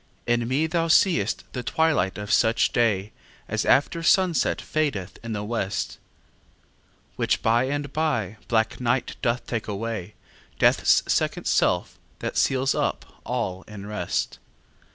In me thou see'st the twilight of such day As after sunset fadeth in the west; Which by and by black night doth take away, Death's second self, that seals up all in rest.